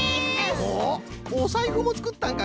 おっおさいふもつくったんか！